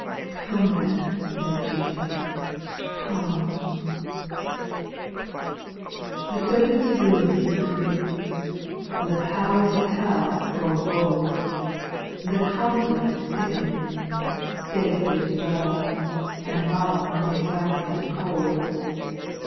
Come then. Lord Jesus, come ! 8. The serpent's brood increase, The powers of hell grow bold, The conflict thickens, faith is low, And love is waxing cold.